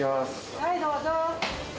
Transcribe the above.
はい、どうぞ。